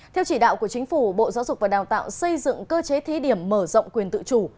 theo chỉ đạo của chính phủ bộ giáo dục và đào tạo xây dựng cơ chế thí điểm mở rộng quyền tự chủ